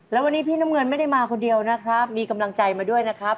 แล้ววันนี้พี่น้ำเงินไม่ได้มาคนเดียวนะครับมีกำลังใจมาด้วยนะครับ